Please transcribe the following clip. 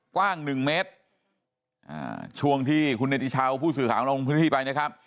กว้าง๑เมตรช่วงที่คุณเชียวผู้สื่อขอบนรวมพื้นที่ไปนะครับ